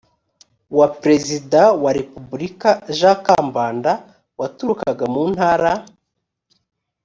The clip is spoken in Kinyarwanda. wa perezida wa repubulika jean kambanda waturukaga mu ntara